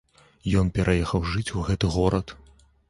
Ён пераехаў жыць у гэты горад.